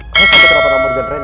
kau sampai kenapa nama dengan rena